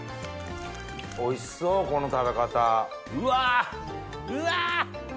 おいしそうこの食べ方。うわっうわ！